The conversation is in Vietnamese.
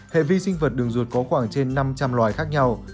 hệ vi sinh vật đường ruột có khoảng trên năm trăm linh loài khác nhau